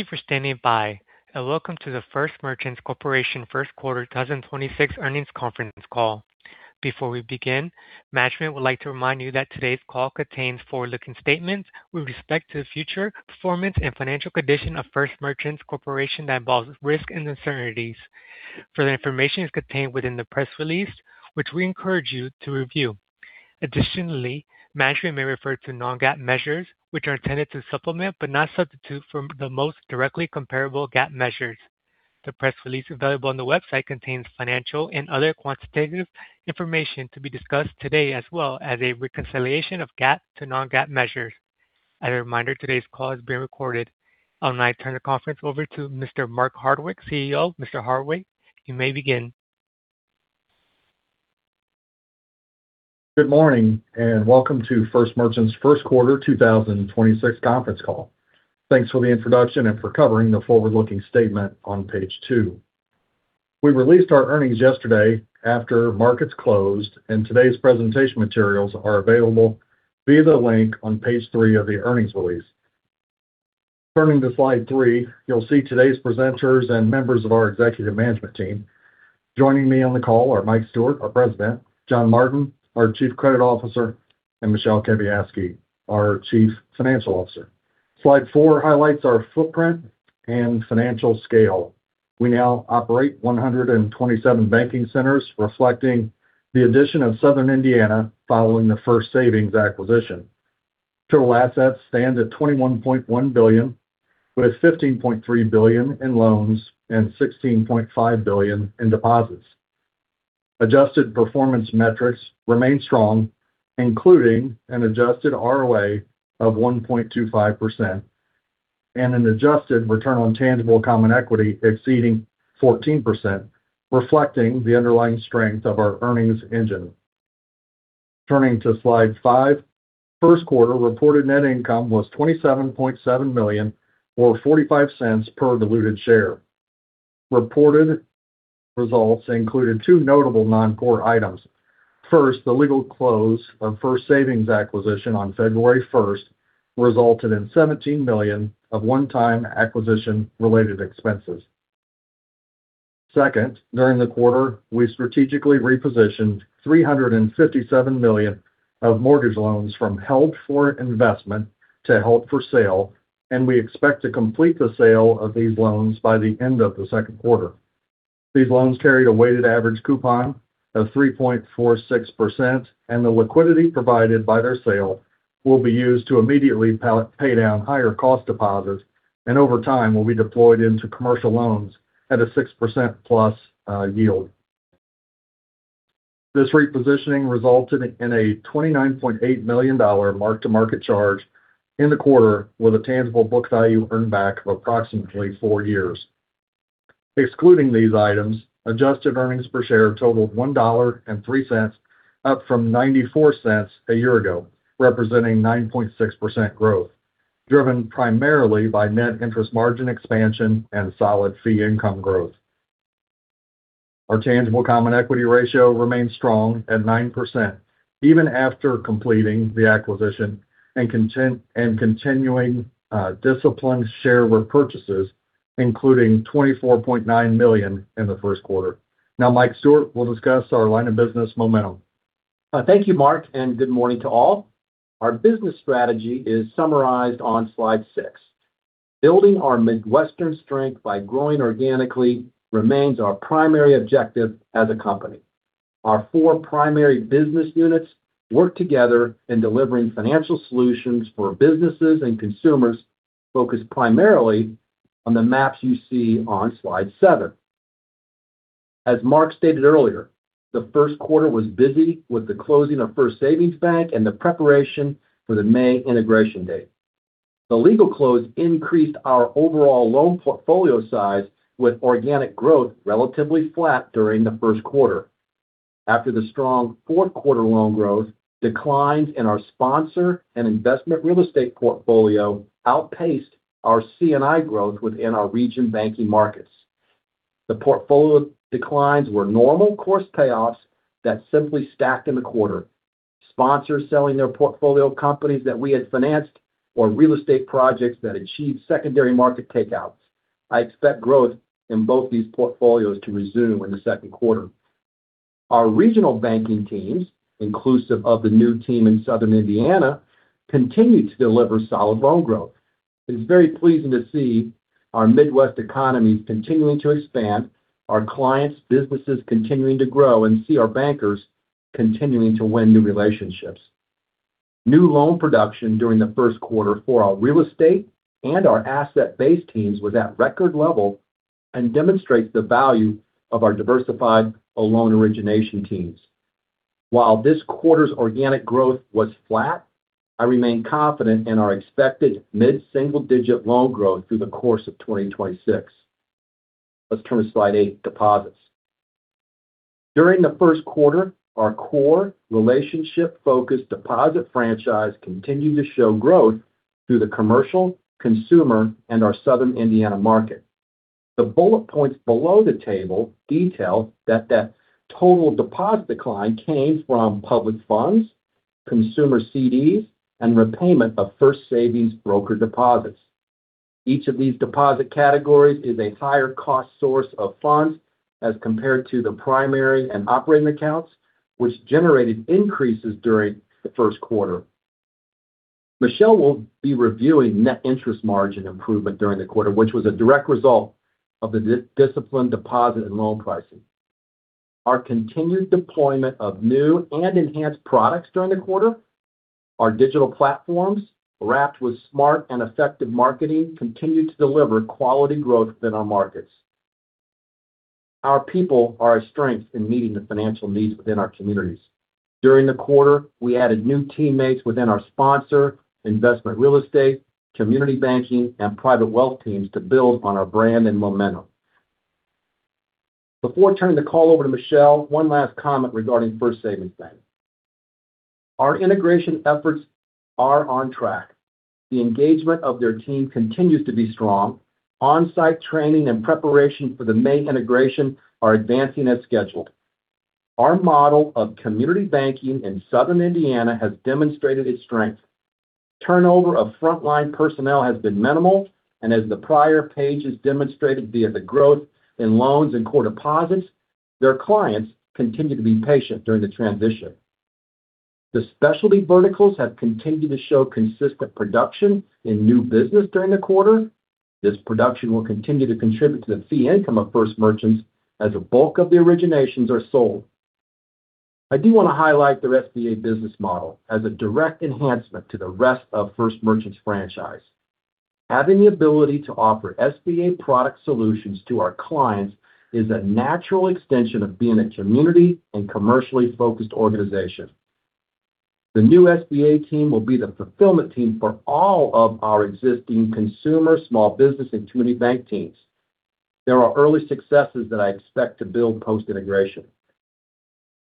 Thank you for standing by, and welcome to the First Merchants Corporation first quarter 2026 earnings conference call. Before we begin, management would like to remind you that today's call contains forward-looking statements with respect to the future performance and financial condition of First Merchants Corporation that involves risks and uncertainties. Further information is contained within the press release, which we encourage you to review. Additionally, management may refer to non-GAAP measures, which are intended to supplement, but not substitute for, the most directly comparable GAAP measures. The press release available on the website contains financial and other quantitative information to be discussed today, as well as a reconciliation of GAAP to non-GAAP measures. As a reminder, today's call is being recorded. I'll now turn the conference over to Mr. Mark Hardwick, CEO. Mr. Hardwick, you may begin. Good morning, and welcome to First Merchants' first quarter 2026 conference call. Thanks for the introduction and for covering the forward-looking statement on page two. We released our earnings yesterday after markets closed, and today's presentation materials are available via the link on page three of the earnings release. Turning to slide three, you'll see today's presenters and members of our executive management team. Joining me on the call are Mike Stewart, our President, John Martin, our Chief Credit Officer, and Michele Kawiecki, our Chief Financial Officer. Slide four highlights our footprint and financial scale. We now operate 127 banking centers, reflecting the addition of southern Indiana following the First Savings acquisition. Total assets stand at $21.1 billion, with $15.3 billion in loans and $16.5 billion in deposits. Adjusted performance metrics remain strong, including an adjusted ROA of 1.25% and an adjusted return on tangible common equity exceeding 14%, reflecting the underlying strength of our earnings engine. Turning to slide five, First quarter reported net income was $27.7 million, or $0.45 per diluted share. Reported results included two notable non-core items. First, the legal close of First Savings acquisition on February 1st resulted in $17 million of one-time acquisition related expenses. Second, during the quarter, we strategically repositioned $357 million of mortgage loans from held for investment to held for sale, and we expect to complete the sale of these loans by the end of the second quarter. These loans carry a weighted average coupon of 3.46%, and the liquidity provided by their sale will be used to immediately pay down higher cost deposits, and over time, will be deployed into commercial loans at a 6%+ yield. This repositioning resulted in a $29.8 million mark-to-market charge in the quarter, with a tangible book value earned back of approximately four years. Excluding these items, adjusted earnings per share totaled $1.03, up from $0.94 a year ago, representing 9.6% growth, driven primarily by net interest margin expansion and solid fee income growth. Our tangible common equity ratio remains strong at 9%, even after completing the acquisition and continuing disciplined share repurchases, including $24.9 million in the first quarter. Now Mike Stewart will discuss our line of business momentum. Thank you, Mark, and good morning to all. Our business strategy is summarized on Slide 6. Building our Midwestern strength by growing organically remains our primary objective as a company. Our four primary business units work together in delivering financial solutions for businesses and consumers, focused primarily on the maps you see on slide 7. As Mark stated earlier, the first quarter was busy with the closing of First Savings Bank and the preparation for the May integration date. The legal close increased our overall loan portfolio size with organic growth relatively flat during the first quarter. After the strong fourth quarter loan growth, declines in our sponsor and investment real estate portfolio outpaced our C&I growth within our regional banking markets. The portfolio declines were normal course payoffs that simply stacked in the quarter, sponsors selling their portfolio, companies that we had financed, or real estate projects that achieved secondary market takeouts. I expect growth in both these portfolios to resume in the second quarter. Our regional banking teams, inclusive of the new team in southern Indiana, continue to deliver solid loan growth. It's very pleasing to see our Midwest economy continuing to expand, our clients' businesses continuing to grow, and see our bankers continuing to win new relationships. New loan production during the first quarter for our real estate and our asset base teams was at record level and demonstrates the value of our diversified loan origination teams. While this quarter's organic growth was flat, I remain confident in our expected mid-single-digit loan growth through the course of 2026. Let's turn to slide 8, deposits. During the first quarter, our core relationship focused deposit franchise continued to show growth through the commercial, consumer, and our Southern Indiana market. The bullet points below the table detail that total deposit decline came from public funds, consumer CDs, and repayment of First Savings broker deposits. Each of these deposit categories is a higher cost source of funds as compared to the primary and operating accounts, which generated increases during the first quarter. Michele will be reviewing net interest margin improvement during the quarter, which was a direct result of the disciplined deposit and loan pricing. Our continued deployment of new and enhanced products during the quarter, our digital platforms wrapped with smart and effective marketing, continued to deliver quality growth within our markets. Our people are a strength in meeting the financial needs within our communities. During the quarter, we added new teammates within our sponsor, investment real estate, community banking, and private wealth teams to build on our brand and momentum. Before turning the call over to Michele, one last comment regarding First Savings Bank. Our integration efforts are on track. The engagement of their team continues to be strong. On-site training and preparation for the May integration are advancing as scheduled. Our model of community banking in Southern Indiana has demonstrated its strength. Turnover of frontline personnel has been minimal, and as the prior pages demonstrated via the growth in loans and core deposits, their clients continue to be patient during the transition. The specialty verticals have continued to show consistent production in new business during the quarter. This production will continue to contribute to the fee income of First Merchants as a bulk of the originations are sold. I do want to highlight their SBA business model as a direct enhancement to the rest of First Merchants' franchise. Having the ability to offer SBA product solutions to our clients is a natural extension of being a community and commercially focused organization. The new SBA team will be the fulfillment team for all of our existing consumer, small business, and community bank teams. There are early successes that I expect to build post-integration.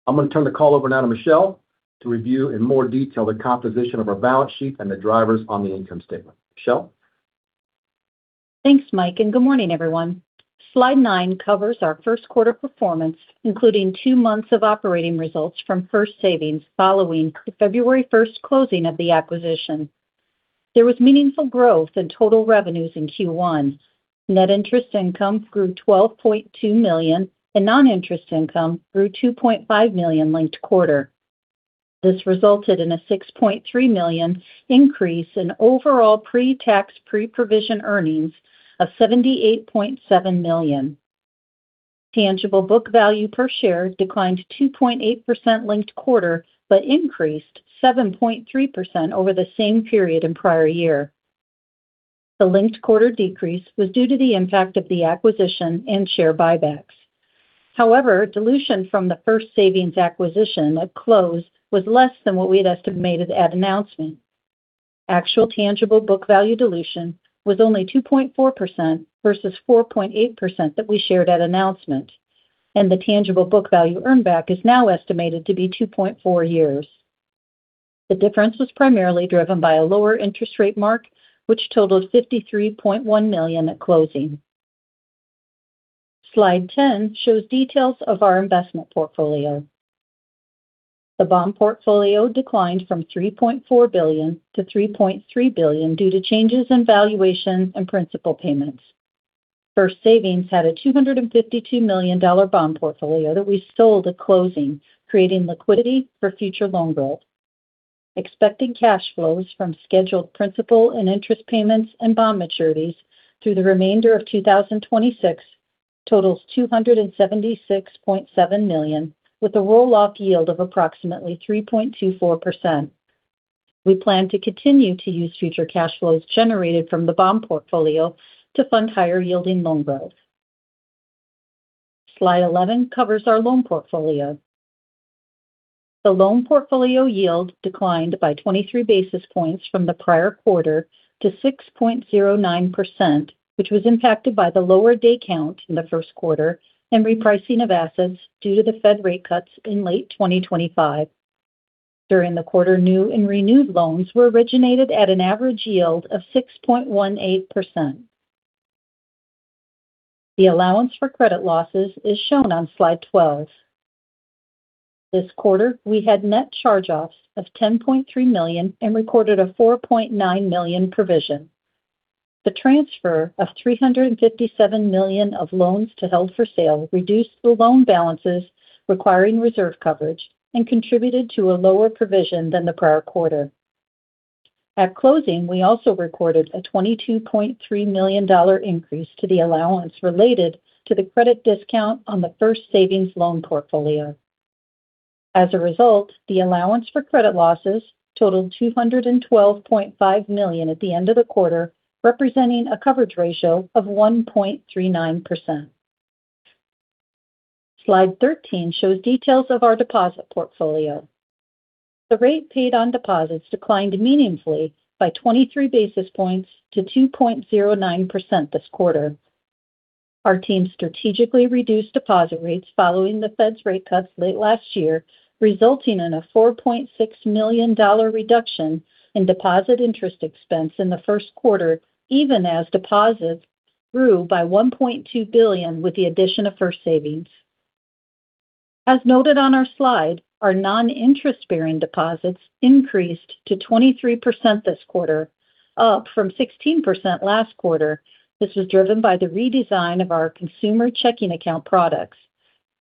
I'm going to turn the call over now to Michele to review in more detail the composition of our balance sheet and the drivers on the income statement. Michele? Thanks, Mike, and good morning, everyone. Slide 9 covers our first quarter performance, including two months of operating results from First Savings following the February 1st closing of the acquisition. There was meaningful growth in total revenues in Q1. Net interest income grew $12.2 million and non-interest income grew $2.5 million linked quarter. This resulted in a $6.3 million increase in overall pre-tax, pre-provision earnings of $78.7 million. Tangible book value per share declined 2.8% linked quarter, but increased 7.3% over the same period in prior year. The linked quarter decrease was due to the impact of the acquisition and share buybacks. However, dilution from the First Savings acquisition at close was less than what we had estimated at announcement. Actual tangible book value dilution was only 2.4% versus 4.8% that we shared at announcement, and the tangible book value earn back is now estimated to be 2.4 years. The difference was primarily driven by a lower interest rate mark, which totaled $53.1 million at closing. Slide 10 shows details of our investment portfolio. The bond portfolio declined from $3.4 billion to $3.3 billion due to changes in valuation and principal payments. First Savings had a $252 million bond portfolio that we sold at closing, creating liquidity for future loan growth. Expected cash flows from scheduled principal and interest payments and bond maturities through the remainder of 2026 totals $276.7 million, with a roll-off yield of approximately 3.24%. We plan to continue to use future cash flows generated from the bond portfolio to fund higher-yielding loan growth. Slide 11 covers our loan portfolio. The loan portfolio yield declined by 23 basis points from the prior quarter to 6.09%, which was impacted by the lower day count in the first quarter and repricing of assets due to the Fed rate cuts in late 2025. During the quarter, new and renewed loans were originated at an average yield of 6.18%. The allowance for credit losses is shown on slide 12. This quarter, we had net charge-offs of $10.3 million and recorded a $4.9 million provision. The transfer of $357 million of loans to held for sale reduced the loan balances requiring reserve coverage and contributed to a lower provision than the prior quarter. At closing, we also recorded a $22.3 million increase to the allowance related to the credit discount on the First Savings loan portfolio. As a result, the allowance for credit losses totaled $212.5 million at the end of the quarter, representing a coverage ratio of 1.39%. Slide 13 shows details of our deposit portfolio. The rate paid on deposits declined meaningfully by 23 basis points to 2.09% this quarter. Our team strategically reduced deposit rates following the Fed's rate cuts late last year, resulting in a $4.6 million reduction in deposit interest expense in the first quarter, even as deposits grew by $1.2 billion with the addition of First Savings. As noted on our slide, our non-interest-bearing deposits increased to 23% this quarter, up from 16% last quarter. This was driven by the redesign of our consumer checking account products.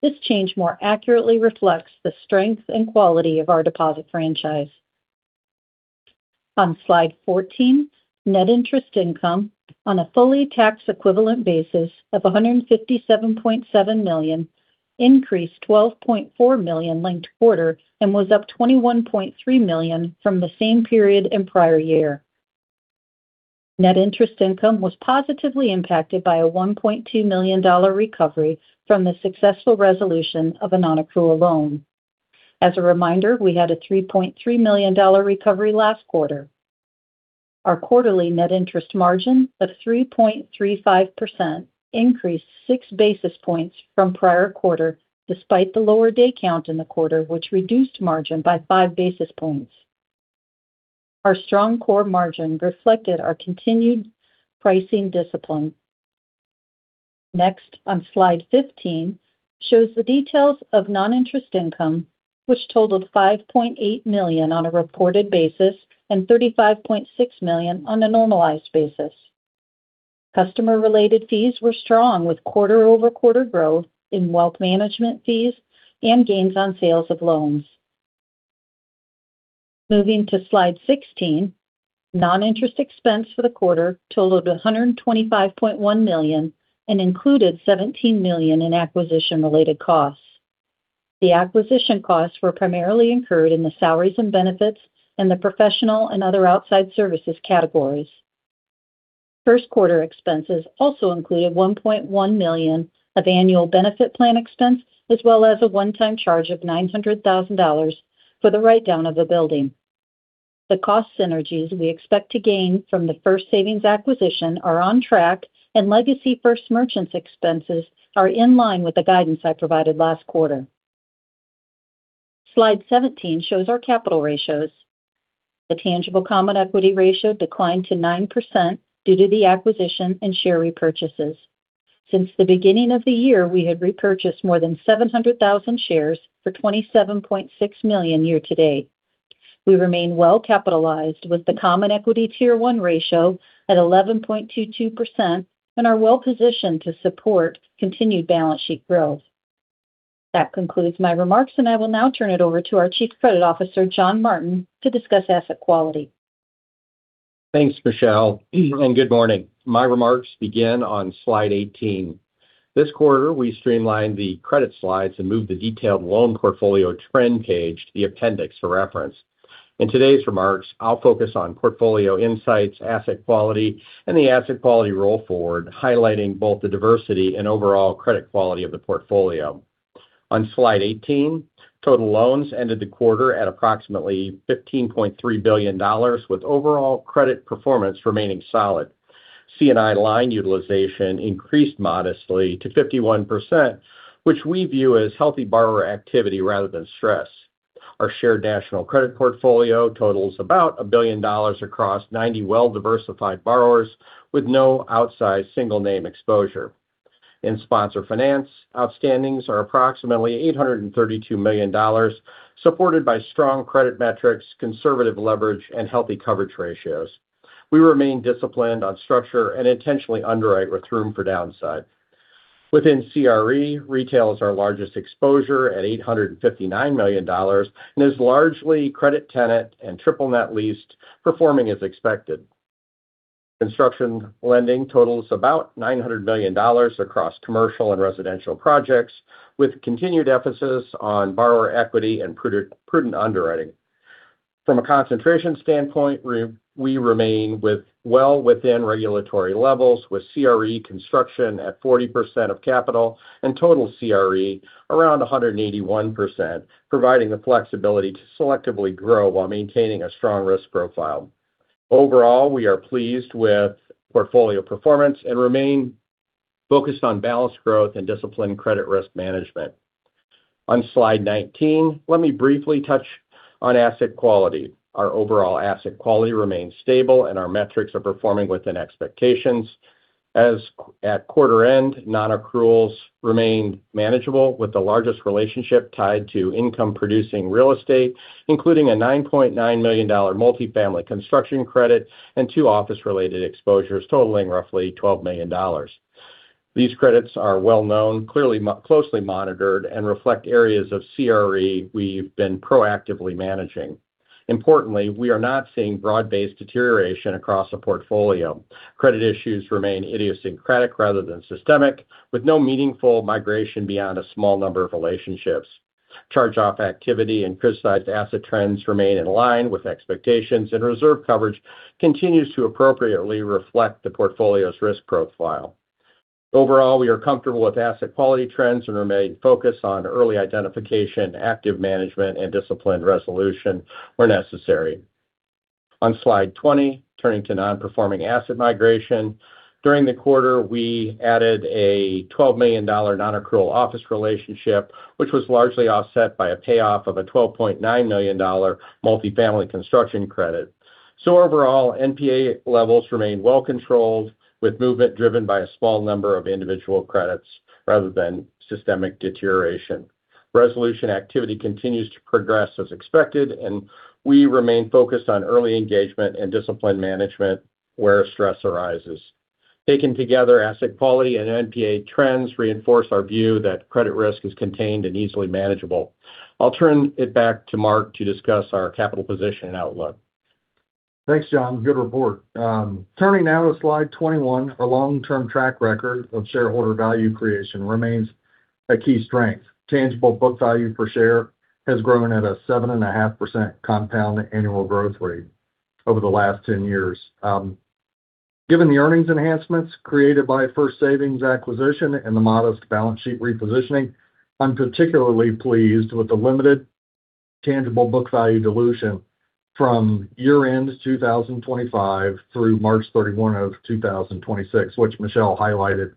This change more accurately reflects the strength and quality of our deposit franchise. On slide 14, net interest income on a fully tax equivalent basis of $157.7 million increased $12.4 million linked-quarter and was up $21.3 million from the same period in prior year. Net interest income was positively impacted by a $1.2 million recovery from the successful resolution of a nonaccrual loan. As a reminder, we had a $3.3 million recovery last quarter. Our quarterly net interest margin of 3.35% increased six basis points from prior quarter, despite the lower day count in the quarter, which reduced margin by five basis points. Our strong core margin reflected our continued pricing discipline. Next, on slide 15, shows the details of noninterest income, which totaled $5.8 million on a reported basis and $35.6 million on a normalized basis. Customer-related fees were strong with quarter-over-quarter growth in wealth management fees and gains on sales of loans. Moving to slide 16, non-interest expense for the quarter totaled to $125.1 million and included $17 million in acquisition related costs. The acquisition costs were primarily incurred in the salaries and benefits and the professional and other outside services categories. First quarter expenses also included $1.1 million of annual benefit plan expense, as well as a one-time charge of $900,000 for the write-down of a building. The cost synergies we expect to gain from the First Savings acquisition are on track, and Legacy First Merchants expenses are in line with the guidance I provided last quarter. Slide 17 shows our capital ratios. The tangible common equity ratio declined to 9% due to the acquisition and share repurchases. Since the beginning of the year, we have repurchased more than 700,000 shares for $27.6 million year to date. We remain well capitalized with the common equity tier one ratio at 11.22% and are well positioned to support continued balance sheet growth. That concludes my remarks, and I will now turn it over to our Chief Credit Officer, John Martin, to discuss asset quality. Thanks, Michele, and good morning. My remarks begin on slide 18. This quarter, we streamlined the credit slides and moved the detailed loan portfolio trend page to the appendix for reference. In today's remarks, I'll focus on portfolio insights, asset quality, and the asset quality roll forward, highlighting both the diversity and overall credit quality of the portfolio. On slide 18, total loans ended the quarter at approximately $15.3 billion, with overall credit performance remaining solid. C&I line utilization increased modestly to 51%, which we view as healthy borrower activity rather than stress. Our shared national credit portfolio totals about $1 billion across 90 well-diversified borrowers with no outsized single name exposure. In sponsor finance, outstandings are approximately $832 million, supported by strong credit metrics, conservative leverage, and healthy coverage ratios. We remain disciplined on structure and intentionally underwrite with room for downside. Within CRE, retail is our largest exposure at $859 million and is largely credit tenant and triple net leased, performing as expected. Construction lending totals about $900 million across commercial and residential projects, with continued emphasis on borrower equity and prudent underwriting. From a concentration standpoint, we remain well within regulatory levels with CRE construction at 40% of capital and total CRE around 181%, providing the flexibility to selectively grow while maintaining a strong risk profile. Overall, we are pleased with portfolio performance and remain focused on balance growth and disciplined credit risk management. On slide 19, let me briefly touch on asset quality. Our overall asset quality remains stable, and our metrics are performing within expectations. As at quarter end, nonaccruals remained manageable with the largest relationship tied to income producing real estate, including a $9.9 million multifamily construction credit and two office-related exposures totaling roughly $12 million. These credits are well-known, closely monitored, and reflect areas of CRE we've been proactively managing. Importantly, we are not seeing broad-based deterioration across the portfolio. Credit issues remain idiosyncratic rather than systemic, with no meaningful migration beyond a small number of relationships. Charge-off activity and criticized asset trends remain in line with expectations, and reserve coverage continues to appropriately reflect the portfolio's risk profile. Overall, we are comfortable with asset quality trends and remain focused on early identification, active management, and disciplined resolution where necessary. On slide 20, turning to non-performing asset migration. During the quarter, we added a $12 million nonaccrual office relationship, which was largely offset by a payoff of a $12.9 million multifamily construction credit. Overall, NPA levels remain well controlled with movement driven by a small number of individual credits rather than systemic deterioration. Resolution activity continues to progress as expected, and we remain focused on early engagement and disciplined management where stress arises. Taken together, asset quality and NPA trends reinforce our view that credit risk is contained and easily manageable. I'll turn it back to Mark to discuss our capital position and outlook. Thanks, John. Good report. Turning now to slide 21. Our long-term track record of shareholder value creation remains a key strength. Tangible book value per share has grown at a 7.5% compound annual growth rate over the last 10 years. Given the earnings enhancements created by First Savings acquisition and the modest balance sheet repositioning, I'm particularly pleased with the limited tangible book value dilution from year-end 2025 through March 31 of 2026, which Michele highlighted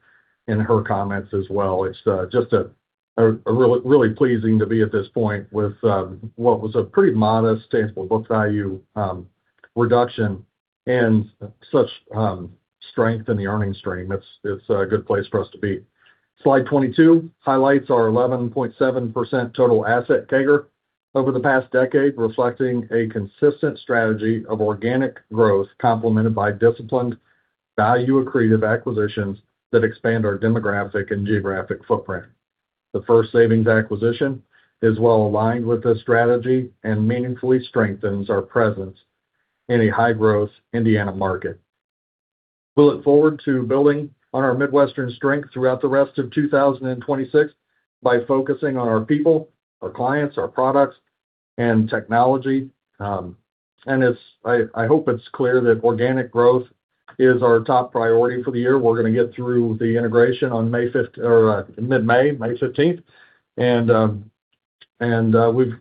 in her comments as well. It's just really pleasing to be at this point with what was a pretty modest tangible book value reduction and such strength in the earnings stream. It's a good place for us to be. Slide 22 highlights our 11.7% total asset CAGR over the past decade, reflecting a consistent strategy of organic growth complemented by disciplined value accretive acquisitions that expand our demographic and geographic footprint. The First Savings acquisition is well aligned with this strategy and meaningfully strengthens our presence in a high-growth Indiana market. We look forward to building on our Midwestern strength throughout the rest of 2026 by focusing on our people, our clients, our products, and technology. I hope it's clear that organic growth is our top priority for the year. We're going to get through the integration on mid-May, May 15.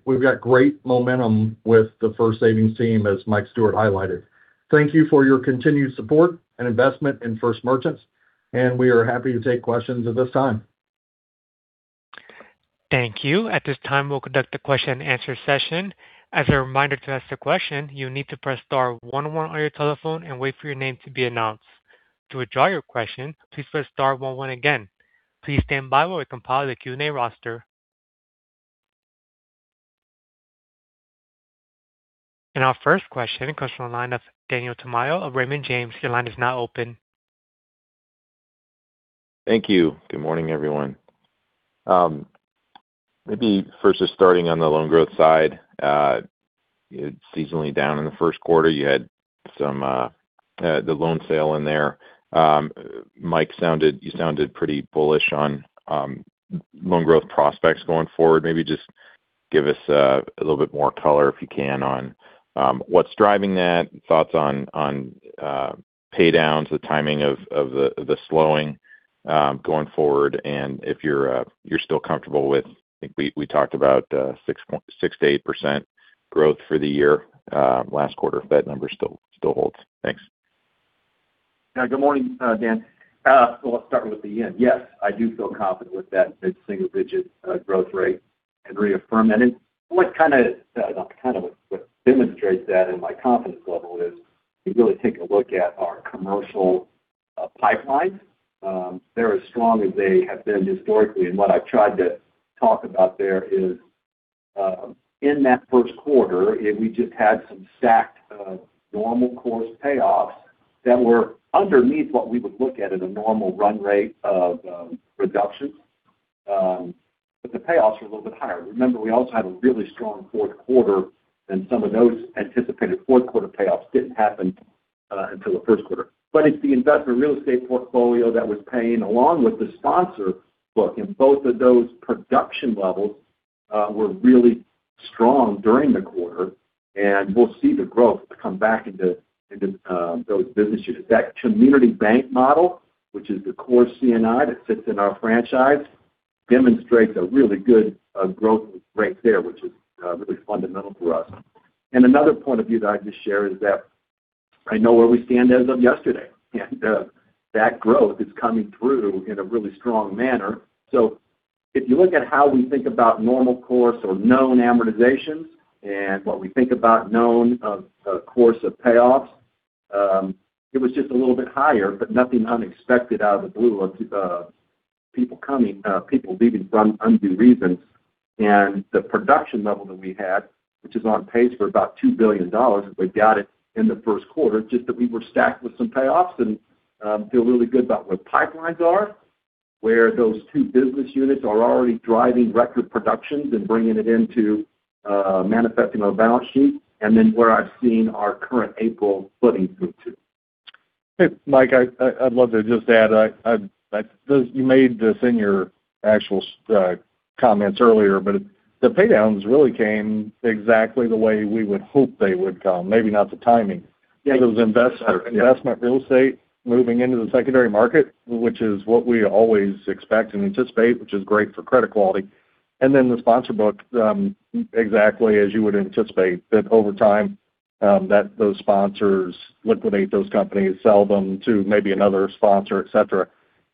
We've got great momentum with the First Savings team, as Mike Stewart highlighted. Thank you for your continued support and investment in First Merchants, and we are happy to take questions at this time. Thank you. At this time, we'll conduct a question and answer session. As a reminder to ask the question, you need to press star one one on your telephone and wait for your name to be announced. To withdraw your question, please press star one one again. Please stand by while we compile the Q&A roster. Our first question comes from the line of Daniel Tamayo of Raymond James. Your line is now open. Thank you. Good morning, everyone. Maybe first just starting on the loan growth side. Seasonally down in the first quarter, you had the loan sale in there. Mike, you sounded pretty bullish on loan growth prospects going forward. Maybe just give us a little bit more color, if you can, on what's driving that and thoughts on pay downs, the timing of the slowing going forward, and if you're still comfortable with, I think we talked about 6%-8% growth for the year last quarter. If that number still holds. Thanks. Yeah. Good morning, Dan. Well, let's start with the end. Yes, I do feel confident with that mid-single digit growth rate and reaffirm that. What kind of demonstrates that in my confidence level is if you really take a look at our commercial pipelines. They're as strong as they have been historically. What I've tried to talk about there is in that first quarter, we just had some stacked normal course payoffs that were underneath what we would look at in a normal run rate of production. The payoffs were a little bit higher. Remember, we also had a really strong fourth quarter, and some of those anticipated fourth quarter payoffs didn't happen until the first quarter. It's the investment real estate portfolio that was paying along with the sponsor book, and both of those production levels were really strong during the quarter. We'll see the growth come back into those business units. That community bank model, which is the core C&I that sits in our franchise, demonstrates a really good growth rate there, which is really fundamental for us. Another point of view that I'd just share is that I know where we stand as of yesterday, and that growth is coming through in a really strong manner. If you look at how we think about normal course of loan amortizations and what we think about normal course of payoffs, it was just a little bit higher, but nothing unexpected out of the blue of people leaving for undue reasons. The production level that we had, which is on pace for about $2 billion if we got it in the first quarter, just that we were stacked with some payoffs and feel really good about where pipelines are. Where those two business units are already driving record provisions and bringing it into manifesting our balance sheet, and then where I've seen our current April footing through Q2. Mike, I'd love to just add. You made this in your actual comments earlier, but the pay downs really came exactly the way we would hope they would come. Maybe not the timing. Yeah. It was investment real estate moving into the secondary market, which is what we always expect and anticipate, which is great for credit quality. Then the sponsor book exactly as you would anticipate that over time those sponsors liquidate those companies, sell them to maybe another sponsor, et cetera.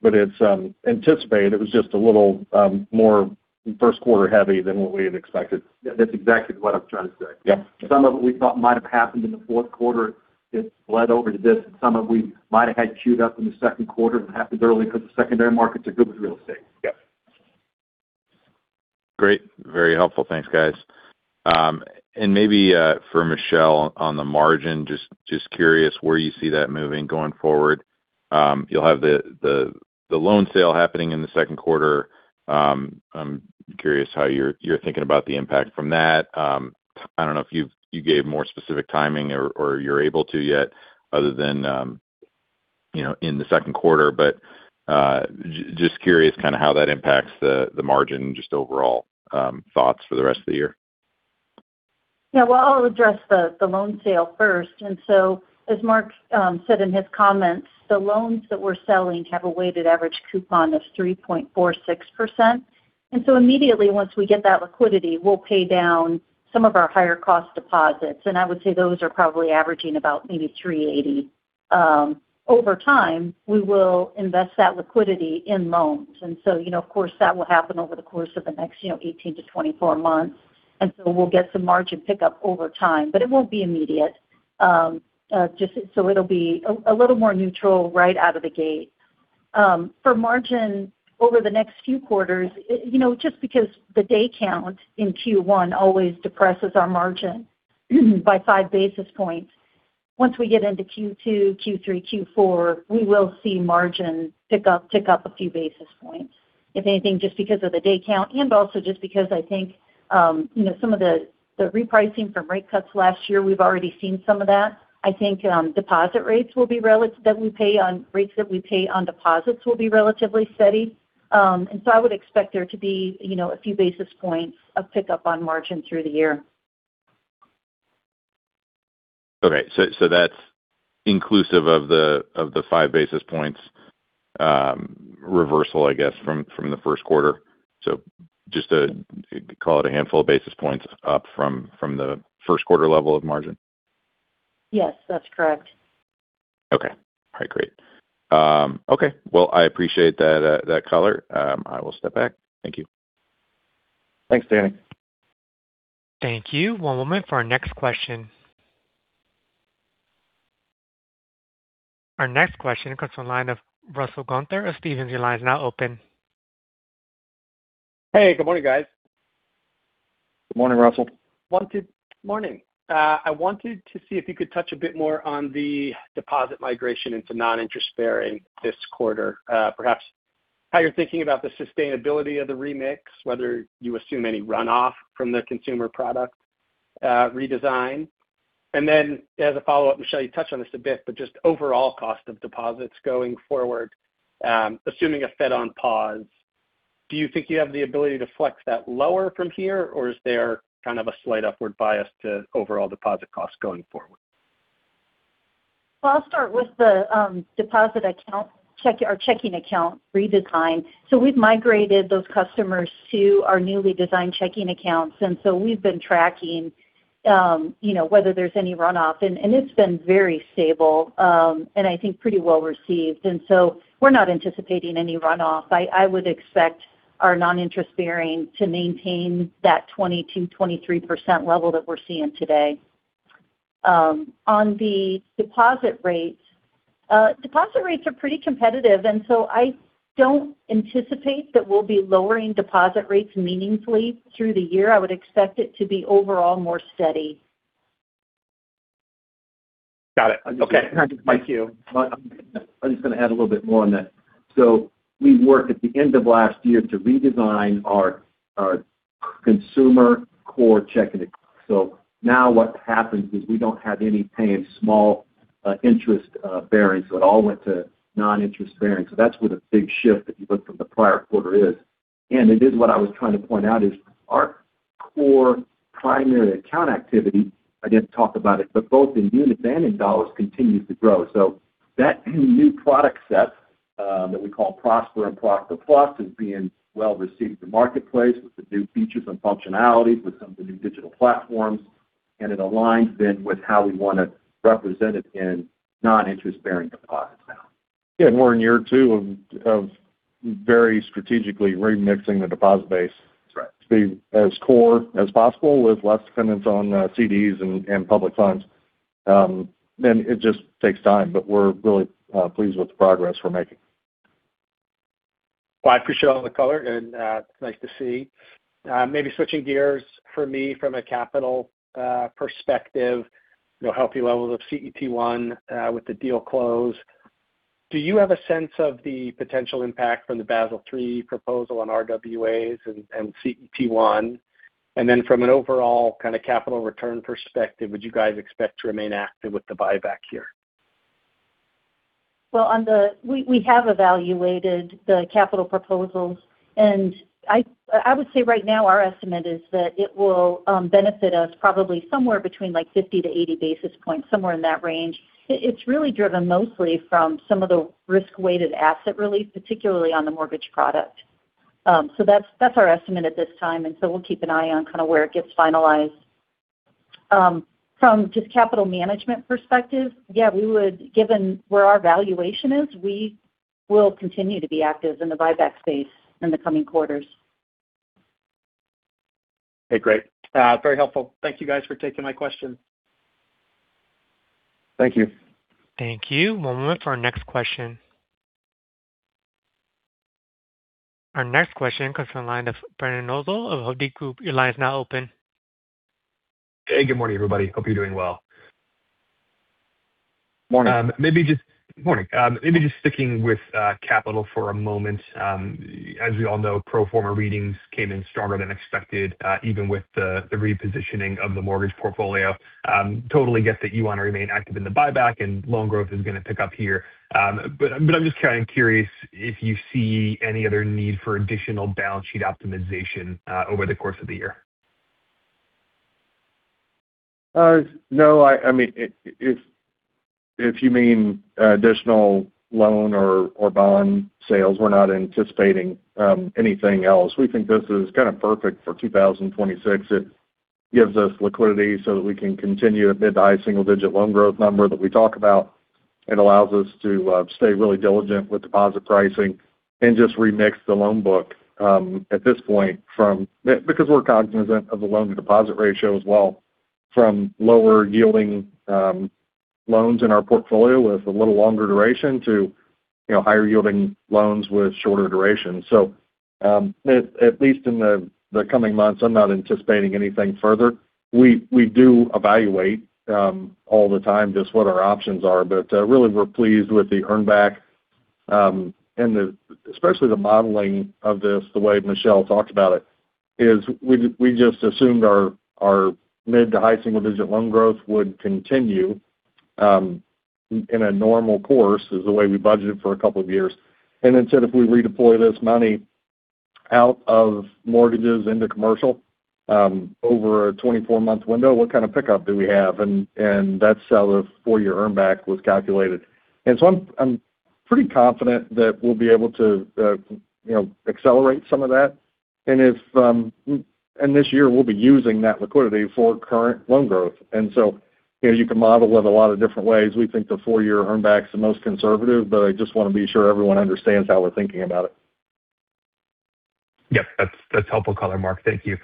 It's anticipated. It was just a little more first-quarter heavy than what we had expected. Yeah, that's exactly what I'm trying to say. Yeah. Some of it we thought might have happened in the fourth quarter. It bled over to this, and some of what we might have had teed up in the second quarter. It happened early because the secondary markets are good with real estate. Yes. Great. Very helpful. Thanks, guys. Maybe for Michele, on the margin, just curious where you see that moving going forward. You'll have the loan sale happening in the second quarter. I'm curious how you're thinking about the impact from that. I don't know if you gave more specific timing or you're able to yet, other than in the second quarter. Just curious how that impacts the margin, just overall thoughts for the rest of the year. Yeah. Well, I'll address the loan sale first. As Mark said in his comments, the loans that we're selling have a weighted average coupon of 3.46%. Immediately once we get that liquidity, we'll pay down some of our higher cost deposits. I would say those are probably averaging about maybe 3.80%. Over time, we will invest that liquidity in loans. Of course, that will happen over the course of the next 18-24 months. We'll get some margin pickup over time. It won't be immediate. It'll be a little more neutral right out of the gate. For margin over the next few quarters, just because the day count in Q1 always depresses our margin by five basis points. Once we get into Q2, Q3, Q4, we will see margin tick up a few basis points. If anything, just because of the day count and also just because I think some of the repricing from rate cuts last year, we've already seen some of that. I think rates that we pay on deposits will be relatively steady. I would expect there to be a few basis points of pickup on margin through the year. Okay, that's inclusive of the 5 basis points reversal, I guess, from the first quarter. Just to call it a handful of basis points up from the first quarter level of margin. Yes, that's correct. Okay. All right, great. Okay, well, I appreciate that color. I will step back. Thank you. Thanks, Danny. Thank you. One moment for our next question. Our next question comes from the line of Russell Gunther of Stephens. Your line is now open. Hey, good morning, guys. Good morning, Russell. Morning. I wanted to see if you could touch a bit more on the deposit migration into non-interest bearing this quarter. Perhaps how you're thinking about the sustainability of the remix, whether you assume any runoff from the consumer product redesign. Then as a follow-up, Michele, you touched on this a bit, but just overall cost of deposits going forward, assuming a Fed on pause, do you think you have the ability to flex that lower from here or is there kind of a slight upward bias to overall deposit costs going forward? Well, I'll start with the deposit account, our checking account redesign. We've migrated those customers to our newly designed checking accounts. We've been tracking whether there's any runoff. It's been very stable, and I think pretty well-received. We're not anticipating any runoff. I would expect our non-interest bearing to maintain that 22%-23% level that we're seeing today. On the deposit rates, deposit rates are pretty competitive, and I don't anticipate that we'll be lowering deposit rates meaningfully through the year. I would expect it to be overall more steady. Got it. Okay. Thank you. I'm just going to add a little bit more on that. We worked at the end of last year to redesign our consumer core checking. Now what happens is we don't have any paying small interest-bearing. It all went to non-interest-bearing. That's where the big shift, if you look from the prior quarter, is. It is what I was trying to point out is our core primary account activity. I didn't talk about it, but both in unit and in dollars continues to grow. That new product set that we call Prosper and Prosper Plus is being well received in the marketplace with the new features and functionalities with some of the new digital platforms. It aligns then with how we want to represent it in non-interest-bearing deposits now. Yeah. We're in year two of very strategically remixing the deposit base. That's right. to be as core as possible with less dependence on CDs and public funds. It just takes time, but we're really pleased with the progress we're making. I appreciate all the color and it's nice to see. Maybe switching gears for me from a capital perspective, healthy levels of CET1 with the deal close. Do you have a sense of the potential impact from the Basel III proposal on RWAs and CET1? Then from an overall kind of capital return perspective, would you guys expect to remain active with the buyback here? We have evaluated the capital proposals, and I would say right now our estimate is that it will benefit us probably somewhere between 50-80 basis points, somewhere in that range. It's really driven mostly from some of the risk-weighted asset relief, particularly on the mortgage product. That's our estimate at this time. We'll keep an eye on where it gets finalized. From just capital management perspective, yeah, given where our valuation is, we will continue to be active in the buyback space in the coming quarters. Okay, great. Very helpful. Thank you guys for taking my question. Thank you. Thank you. One moment for our next question. Our next question comes from the line of Brandon Nosal of Hovde Group. Your line is now open. Hey. Good morning, everybody. Hope you're doing well. Morning. Morning. Maybe just sticking with capital for a moment. As we all know, pro forma readings came in stronger than expected, even with the repositioning of the mortgage portfolio. Totally get that you want to remain active in the buyback and loan growth is going to pick up here. I'm just curious if you see any other need for additional balance sheet optimization over the course of the year. No. If you mean additional loan or bond sales, we're not anticipating anything else. We think this is kind of perfect for 2026. It gives us liquidity so that we can continue a mid- to high-single-digit loan growth number that we talk about. It allows us to stay really diligent with deposit pricing and just remix the loan book, at this point, because we're cognizant of the loan-to-deposit ratio as well, from lower yielding loans in our portfolio with a little longer duration to higher yielding loans with shorter duration. At least in the coming months, I'm not anticipating anything further. We do evaluate all the time just what our options are. Really, we're pleased with the earn back. Especially the modeling of this, the way Michele talked about it, is we just assumed our mid- to high-single-digit loan growth would continue in a normal course, is the way we budgeted for a couple of years. Then said if we redeploy this money out of mortgages into commercial, over a 24-month window, what kind of pickup do we have? That's how the four-year earn back was calculated. I'm pretty confident that we'll be able to accelerate some of that. This year we'll be using that liquidity for current loan growth. You can model it a lot of different ways. We think the four-year earn back is the most conservative, but I just want to be sure everyone understands how we're thinking about it. Yep, that's helpful color, Mark. Thank you.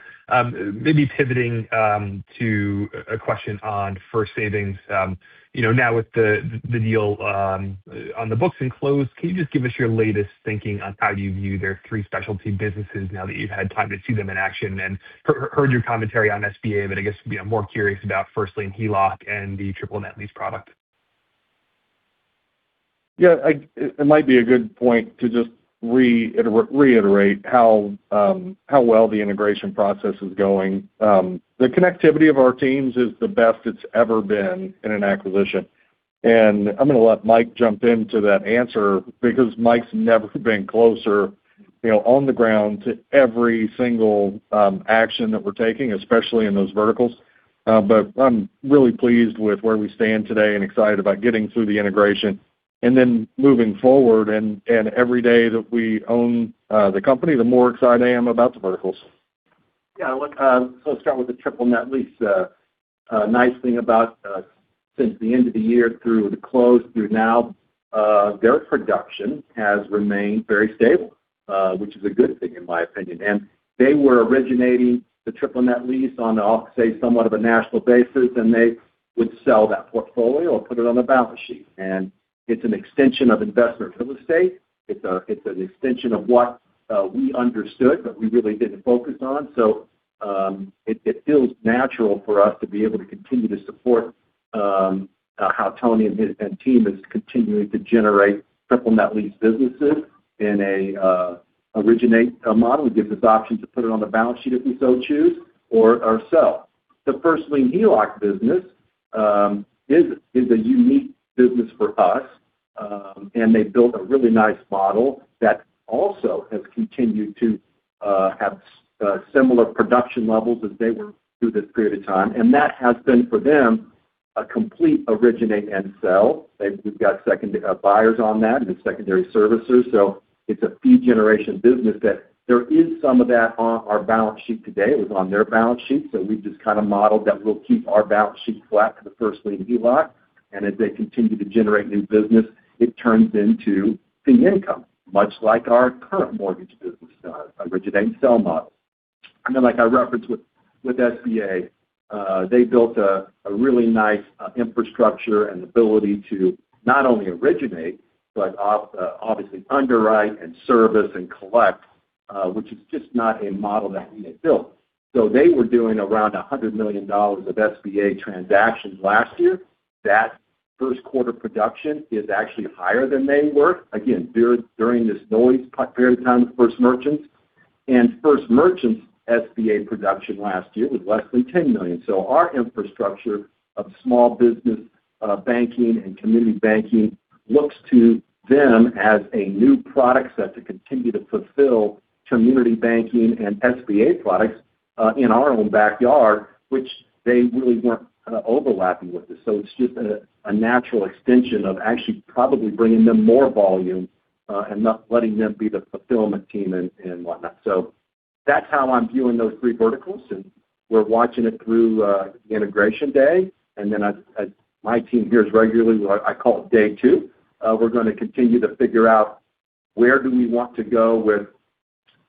Maybe pivoting to a question on First Savings. Now with the deal on the books and closed, can you just give us your latest thinking on how you view their three specialty businesses now that you've had time to see them in action? Heard your commentary on SBA, but I guess, I'm more curious about First-Lien HELOC and the triple net lease product. Yeah. It might be a good point to just reiterate how well the integration process is going. The connectivity of our teams is the best it's ever been in an acquisition. I'm going to let Mike jump into that answer because Mike's never been closer on the ground to every single action that we're taking, especially in those verticals. I'm really pleased with where we stand today and excited about getting through the integration, moving forward, and every day that we own the company, the more excited I am about the verticals. Yeah. Let's start with the triple net lease. Nice thing about since the end of the year through the close through now, their production has remained very stable, which is a good thing in my opinion. They were originating the triple net lease on, I'll say, somewhat of a national basis, and they would sell that portfolio or put it on the balance sheet. It's an extension of investment real estate. It's an extension of what we understood, but we really didn't focus on. It feels natural for us to be able to continue to support how Tony and team is continuing to generate triple net lease businesses in a originate model. It gives us options to put it on the balance sheet if we so choose, or sell. The First-Lien HELOC business is a unique business for us. They built a really nice model that also has continued to have similar production levels as they were through this period of time. That has been, for them, a complete originate and sell. We've got buyers on that and secondary servicers. It's a fee generation business that there is some of that on our balance sheet today. It was on their balance sheet. We've just kind of modeled that we'll keep our balance sheet flat for the First-Lien HELOC, and as they continue to generate new business, it turns into fee income, much like our current mortgage business originate and sell model. Like I referenced with SBA, they built a really nice infrastructure and ability to not only originate, but obviously underwrite and service and collect, which is just not a model that we had built. They were doing around $100 million of SBA transactions last year. That first quarter production is actually higher than they were, again, during this noise period of time with First Merchants. First Merchants SBA production last year was less than $10 million. Our infrastructure of small business banking and community banking looks to them as a new product set to continue to fulfill community banking and SBA products, in our own backyard, which they really weren't overlapping with us. It's just a natural extension of actually probably bringing them more volume and not letting them be the fulfillment team and whatnot. That's how I'm viewing those three verticals, and we're watching it through integration day. Then my team hears regularly what I call day two. We're going to continue to figure out where do we want to go with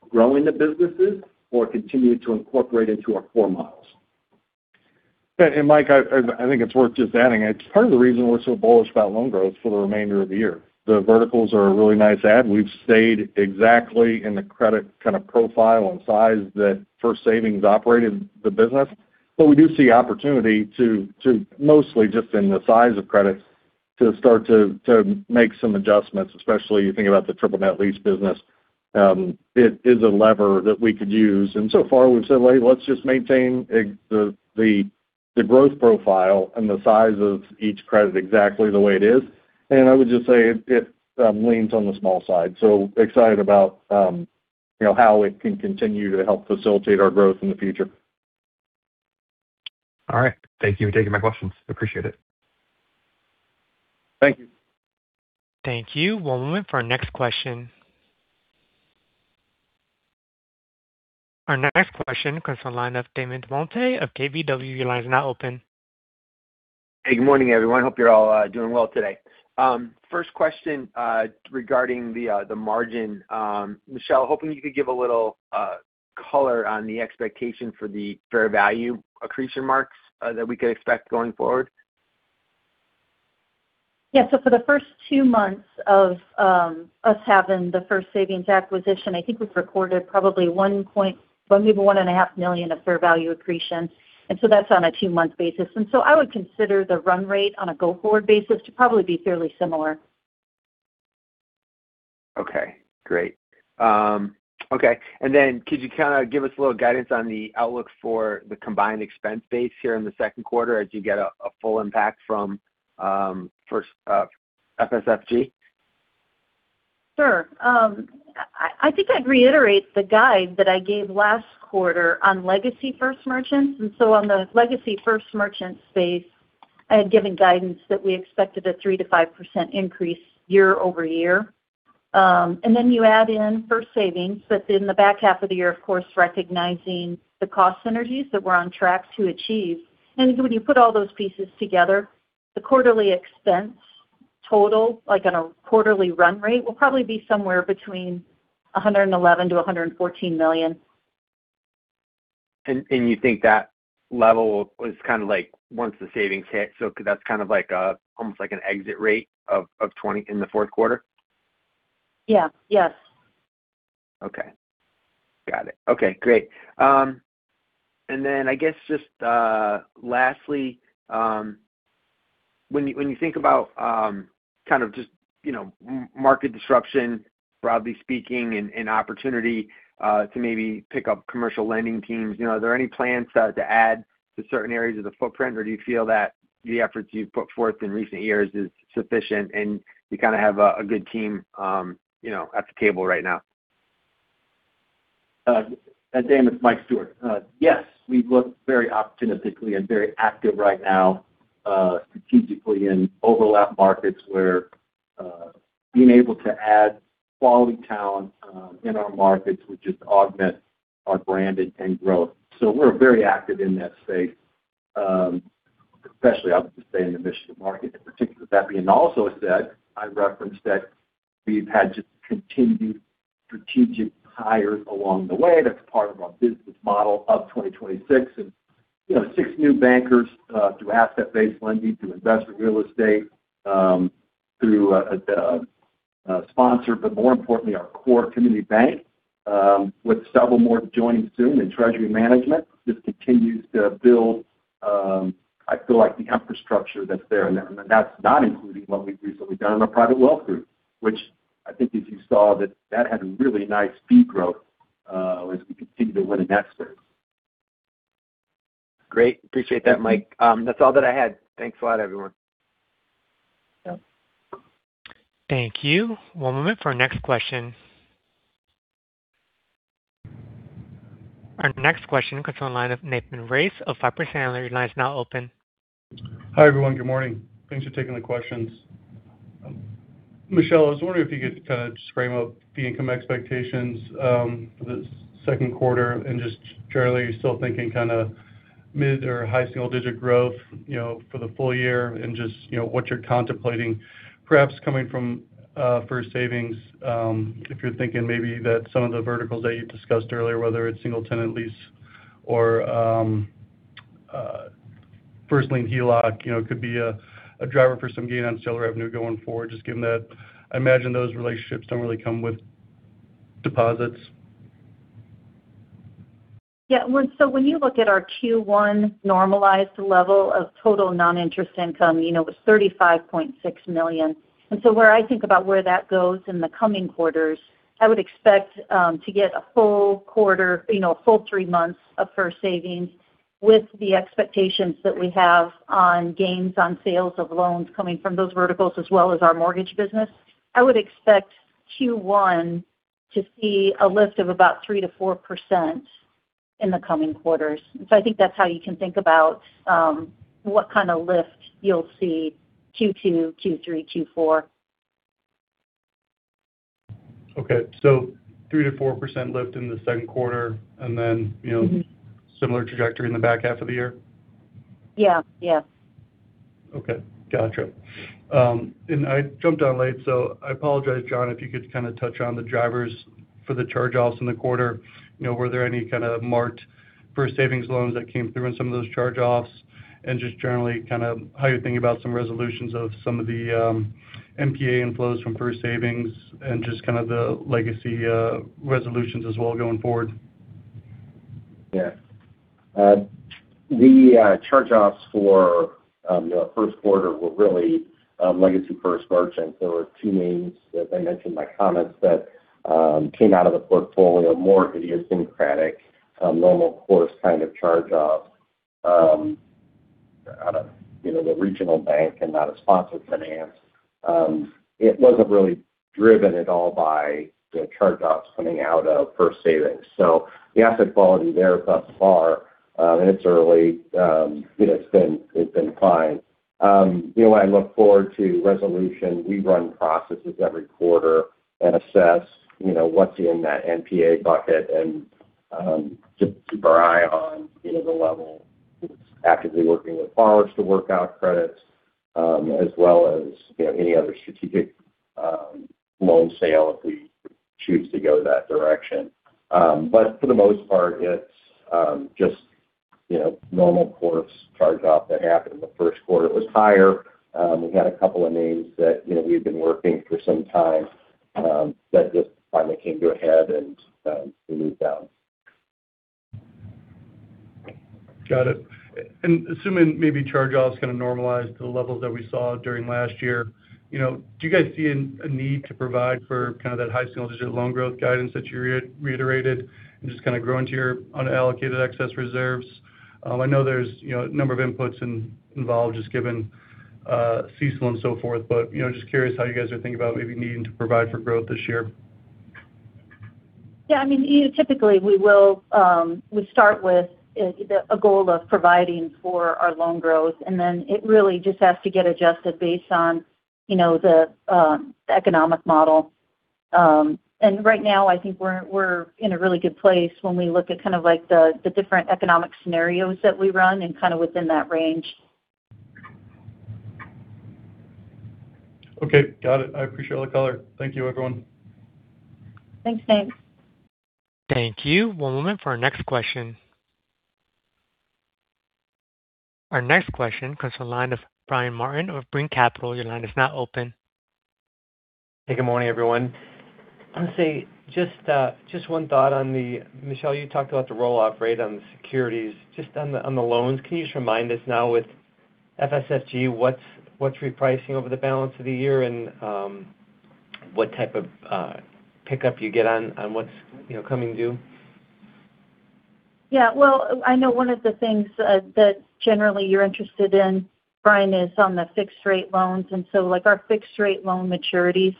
growing the businesses or continue to incorporate into our core models. Mike, I think it's worth just adding, it's part of the reason we're so bullish about loan growth for the remainder of the year. The verticals are a really nice add. We've stayed exactly in the credit kind of profile and size that First Savings operated the business. We do see opportunity to mostly just in the size of credits, to start to make some adjustments, especially you think about the triple net lease business. It is a lever that we could use. So far, we've said, "Well, hey, let's just maintain the growth profile and the size of each credit exactly the way it is." I would just say it leans on the small side. Excited about how it can continue to help facilitate our growth in the future. All right. Thank you for taking my questions. Appreciate it. Thank you. Thank you. One moment for our next question. Our next question comes from the line of Damon DelMonte of KBW. Your line is now open. Hey, good morning, everyone. Hope you're all doing well today. First question, regarding the margin. Michele, hoping you could give a little color on the expectation for the fair value accretion marks that we could expect going forward. Yeah. For the first two months of us having the First Savings acquisition, I think we've recorded probably maybe $1.5 million of fair value accretion. That's on a two-month basis. I would consider the run rate on a go-forward basis to probably be fairly similar. Okay. Great. Okay. Could you kind of give us a little guidance on the outlook for the combined expense base here in the second quarter as you get a full impact from FSFG? Sure. I think I'd reiterate the guidance that I gave last quarter on legacy First Merchants. On the legacy First Merchants space, I had given guidance that we expected a 3%-5% increase year-over-year. Then you add in First Savings, but in the back half of the year, of course, recognizing the cost synergies that we're on track to achieve. When you put all those pieces together, the quarterly expense total, like on a quarterly run rate, will probably be somewhere between $111 million-$114 million. You think that level is kind of like once the savings hit, so that's kind of like almost like an exit rate of 20 in the fourth quarter? Yeah. Yes. Okay. Got it. Okay, great. I guess just lastly, when you think about kind of just market disruption, broadly speaking, and opportunity to maybe pick up commercial lending teams, are there any plans to add to certain areas of the footprint? Or do you feel that the efforts you've put forth in recent years is sufficient, and you kind of have a good team at the table right now? Dan, it's Mike Stewart. Yes, we look very optimistically and very active right now, strategically in overlap markets where being able to add quality talent in our markets would just augment our branding and growth. We're very active in that space, especially. I would just say in the Michigan market in particular. That being also said, I referenced that we've had to continue strategic hires along the way. That's part of our business model of 2026. Six new bankers through asset-based lending, through investment real estate, through a sponsor, but more importantly, our core community bank, with several more joining soon in treasury management, just continues to build. I feel like the infrastructure that's there. That's not including what we've recently done in our private wealth group, which I think as you saw that had really nice fee growth as we continue to win investors. Great. Appreciate that, Mike. That's all that I had. Thanks a lot, everyone. Yeah. Thank you. One moment for our next question. Our next question comes from the line of Nathan Race of Piper Sandler. Your line is now open. Hi, everyone. Good morning. Thanks for taking the questions. Michele, I was wondering if you could kind of just frame up the income expectations for the second quarter and just generally you're still thinking kind of mid- or high-single-digit growth for the full year and just what you're contemplating perhaps coming from First Savings, if you're thinking maybe that some of the verticals that you discussed earlier, whether it's single-tenant lease or first-lien HELOC, could be a driver for some gain on sale revenue going forward, just given that I imagine those relationships don't really come with deposits. Yeah. When you look at our Q1 normalized level of total non-interest income, it was $35.6 million. When I think about where that goes in the coming quarters, I would expect to get a full quarter, a full three months of First Savings with the expectations that we have on gains on sales of loans coming from those verticals as well as our mortgage business. I would expect Q1 to see a lift of about 3%-4% in the coming quarters. I think that's how you can think about what kind of lift you'll see Q2, Q3, Q4. Okay. 3%-4% lift in the second quarter, and then. Mm-hmm similar trajectory in the back half of the year? Yeah. Okay. Got you. I jumped on late, so I apologize, John, if you could kind of touch on the drivers for the charge-offs in the quarter. Were there any kind of marked First Savings loans that came through in some of those charge-offs? Just generally, how you're thinking about some resolutions of some of the NPA inflows from First Savings, and just kind of the legacy resolutions as well going forward. Yeah. The charge-offs for the first quarter were really legacy First Merchants. There were two names that I mentioned in my comments that came out of the portfolio, more idiosyncratic, normal course kind of charge-offs out of the regional bank and not a sponsored finance. It wasn't really driven at all by the charge-offs coming out of First Savings. The asset quality there thus far, and it's early, it's been fine. I look forward to resolution. We run processes every quarter and assess what's in that NPA bucket and just keep our eye on the level, actively working with borrowers to work out credits as well as any other strategic loan sale if we choose to go that direction. For the most part, it's just normal course charge-off that happened in the first quarter. It was higher. We had a couple of names that we had been working for some time that just finally came to a head and we moved down. Got it. Assuming maybe charge-offs kind of normalize to the levels that we saw during last year, do you guys see a need to provide for that high single-digit loan growth guidance that you reiterated and just kind of grow into your unallocated excess reserves? I know there's a number of inputs involved just given CECL and so forth, but just curious how you guys are thinking about maybe needing to provide for growth this year. Yeah. Typically, we start with a goal of providing for our loan growth, and then it really just has to get adjusted based on the economic model. Right now, I think we're in a really good place when we look at the different economic scenarios that we run and kind of within that range. Okay. Got it. I appreciate all the color. Thank you, everyone. Thanks, Nathan Race. Thank you. One moment for our next question. Our next question comes to the line of Brian Martin of Brean Capital. Your line is now open. Hey, good morning, everyone. I'll say, just one thought, Michele, you talked about the roll-off rate on the securities. Just on the loans, can you just remind us now with FSFG, what's repricing over the balance of the year and what type of pickup you get on what's coming due? Yeah. Well, I know one of the things that generally you're interested in, Brian, is on the fixed-rate loans. Like our fixed-rate loan maturities,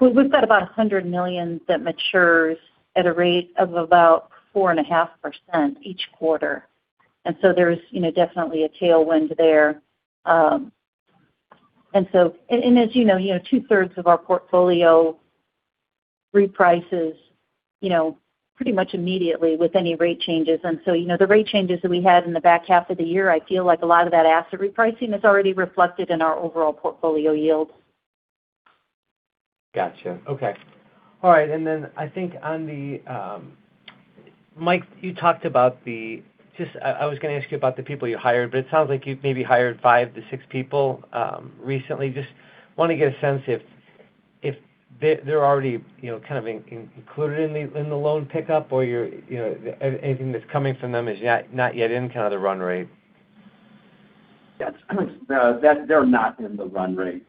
we've got about $100 million that matures at a rate of about 4.5% each quarter. There's definitely a tailwind there. As you know, two-thirds of our portfolio reprices pretty much immediately with any rate changes. The rate changes that we had in the back half of the year, I feel like a lot of that asset repricing is already reflected in our overall portfolio yields. Got you. Okay. All right. I think, Mike, I was going to ask you about the people you hired, but it sounds like you've maybe hired 5-6 people recently. Just want to get a sense if they're already kind of included in the loan pickup or anything that's coming from them is not yet in kind of the run rate. They're not in the run rate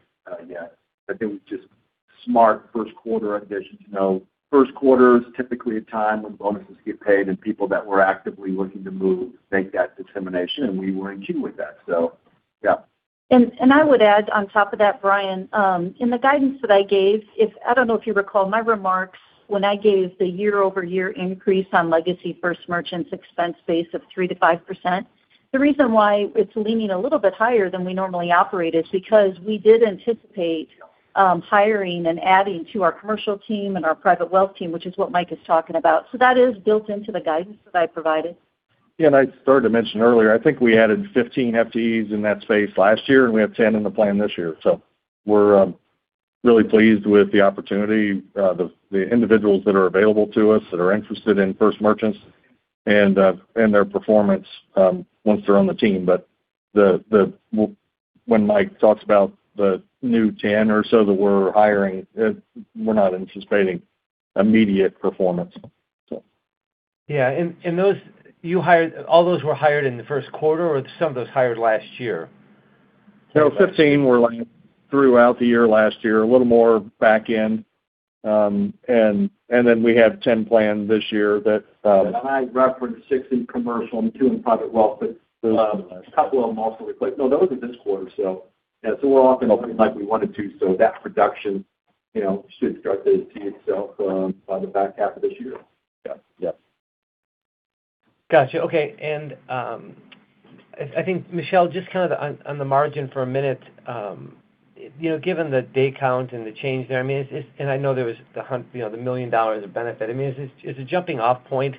yet. I think it was just smart first quarter additions. First quarter is typically a time when bonuses get paid and people that were actively looking to move make that determination, and we were in tune with that. Yeah. I would add on top of that, Brian, in the guidance that I gave, I don't know if you recall my remarks when I gave the year-over-year increase on legacy First Merchants expense base of 3%-5%. The reason why it's leaning a little bit higher than we normally operate is because we did anticipate hiring and adding to our commercial team and our private wealth team, which is what Mike is talking about. That is built into the guidance that I provided. Yeah, I started to mention earlier, I think we added 15 FTEs in that space last year, and we have 10 in the plan this year. We're really pleased with the opportunity, the individuals that are available to us that are interested in First Merchants and their performance once they're on the team. When Mike talks about the new 10 or so that we're hiring, we're not anticipating immediate performance. Yeah. All those were hired in the first quarter, or were some of those hired last year? No, 15 were throughout the year last year, a little more back end. We have 10 planned this year that- I referenced 6 in commercial and 2 in private wealth, but. Those were last year. A couple of them also. No, that was in this quarter. Yeah, so we're off and running like we wanted to. That production You know, should start to see itself on the back half of this year. Yeah. Yeah. Got you. Okay. I think, Michele, just kind of on the margin for a minute, given the day count and the change there, and I know there was $1 million of benefit. I mean, is the jumping off point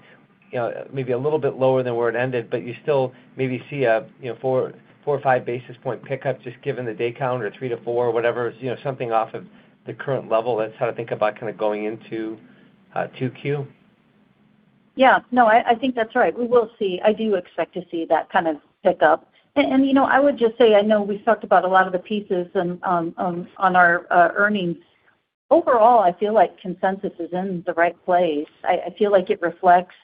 maybe a little bit lower than where it ended, but you still maybe see a 4 or 5 basis point pickup just given the day count or 3-4 or whatever, something off of the current level. That's how to think about kind of going into 2Q. Yeah. No, I think that's right. We will see. I do expect to see that kind of pick up. I would just say, I know we've talked about a lot of the pieces on our earnings. Overall, I feel like consensus is in the right place. I feel like it reflects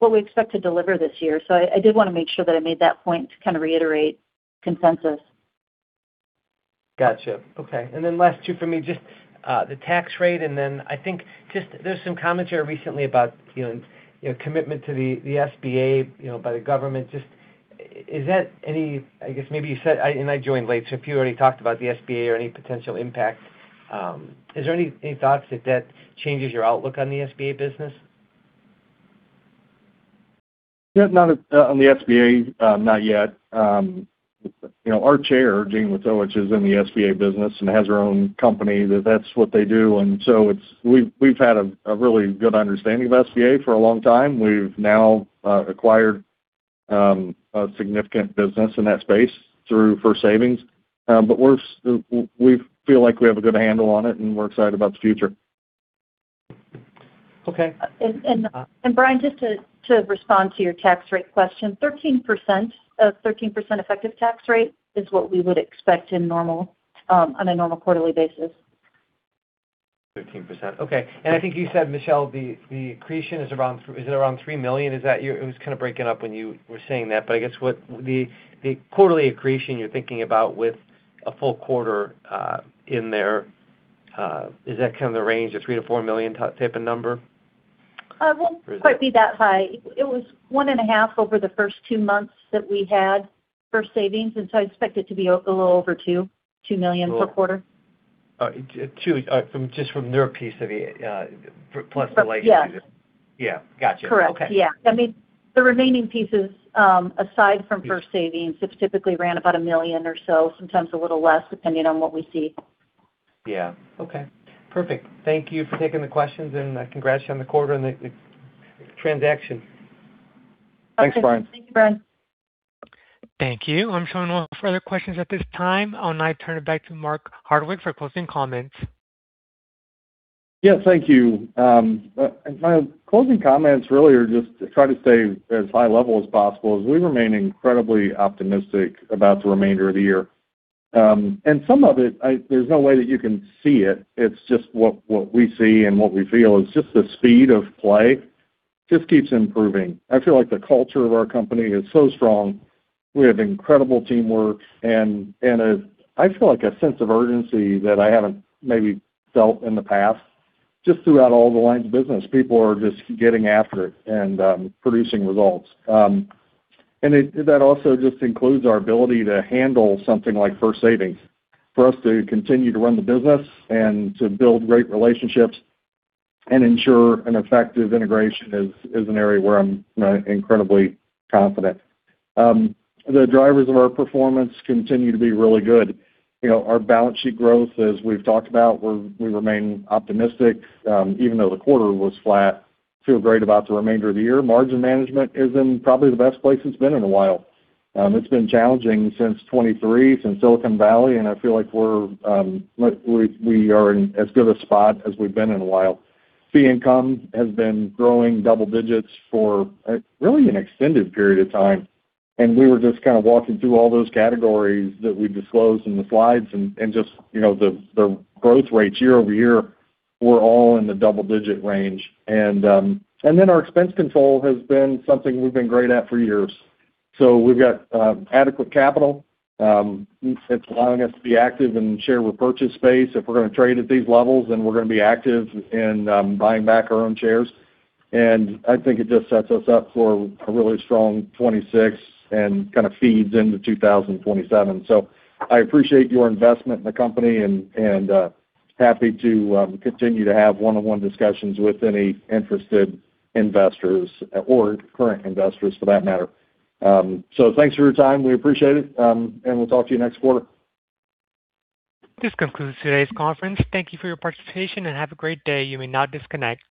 what we expect to deliver this year. I did want to make sure that I made that point to kind of reiterate consensus. Got you. Okay. Last two for me, just the tax rate, and then I think just there's some commentary recently about commitment to the SBA by the government. I guess maybe you said, and I joined late, so if you already talked about the SBA or any potential impact, is there any thoughts if that changes your outlook on the SBA business? Yeah, on the SBA, not yet. Our chair, Jean Wojtowicz, is in the SBA business and has her own company. That's what they do. We've had a really good understanding of SBA for a long time. We've now acquired a significant business in that space through First Savings. We feel like we have a good handle on it, and we're excited about the future. Okay. Brian, just to respond to your tax rate question, 13% effective tax rate is what we would expect on a normal quarterly basis. 13%. Okay. I think you said, Michele, the accretion, is it around $3 million? It was kind of breaking up when you were saying that, but I guess what the quarterly accretion you're thinking about with a full quarter in there, is that kind of the range of $3 million-$4 million type of number? It won't quite be that high. It was $1.5 million over the first 2 months that we had First Savings, and so I expect it to be a little over $2 million per quarter. Two, just from their piece of it, plus the legacy. Yeah. Yeah. Got you. Correct. Okay. Yeah. I mean, the remaining pieces, aside from First Savings, it's typically ran about $1 million or so, sometimes a little less, depending on what we see. Yeah. Okay. Perfect. Thank you for taking the questions, and congrats on the quarter and the transaction. Thanks, Brian. Thank you, Brian. Thank you. I'm showing no further questions at this time. I'll now turn it back to Mark Hardwick for closing comments. Yeah, thank you. My closing comments really are just to try to stay as high level as possible, is we remain incredibly optimistic about the remainder of the year. Some of it, there's no way that you can see it. It's just what we see and what we feel is just the speed of play just keeps improving. I feel like the culture of our company is so strong. We have incredible teamwork, and I feel like a sense of urgency that I haven't maybe felt in the past, just throughout all the lines of business. People are just getting after it and producing results. That also just includes our ability to handle something like First Savings. For us to continue to run the business and to build great relationships and ensure an effective integration is an area where I'm incredibly confident. The drivers of our performance continue to be really good. Our balance sheet growth, as we've talked about, we remain optimistic. Even though the quarter was flat, we feel great about the remainder of the year. Margin management is in probably the best place it's been in a while. It's been challenging since 2023, since Silicon Valley, and I feel like we are in as good a spot as we've been in a while. Fee income has been growing double digits for really an extended period of time, and we were just kind of walking through all those categories that we disclosed in the slides and just the growth rates year-over-year were all in the double digit range. Our expense control has been something we've been great at for years. We've got adequate capital. It's allowing us to be active in share repurchase space. If we're going to trade at these levels, then we're going to be active in buying back our own shares. I think it just sets us up for a really strong 2026 and kind of feeds into 2027. I appreciate your investment in the company and I'm happy to continue to have one-on-one discussions with any interested investors or current investors for that matter. Thanks for your time. We appreciate it, and we'll talk to you next quarter. This concludes today's conference. Thank you for your participation and have a great day. You may now disconnect.